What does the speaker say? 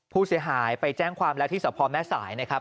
ผู้เสียหายไปแจ้งความแล้วที่สะพอแม่สายนะครับ